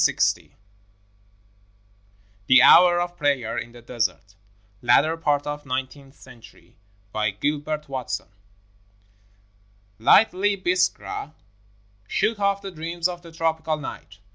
I THE HOUR OF PRAYER IN THE DESERT [Latter part of nineteenth century] BY GILBERT WATSON Lightly Biskra shook off the dreams of the tropical night.